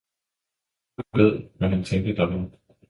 Gud ved, hvad han tænkte derved!